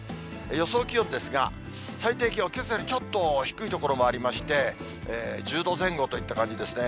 予想気温ですが、最低気温、けさよりちょっと低い所もありまして、１０度前後といった感じですね。